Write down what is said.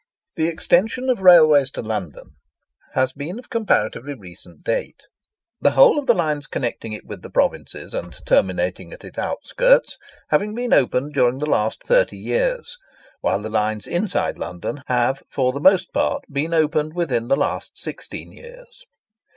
The extension of railways to London has been of comparatively recent date; the whole of the lines connecting it with the provinces and terminating at its outskirts, having been opened during the last thirty years, while the lines inside London have for the most part been opened within the last sixteen years.